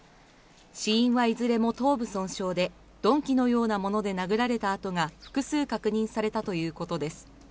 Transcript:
死因は、いずれも頭部損傷で鈍器のようなもので殴られた痕が複数確認されたということです。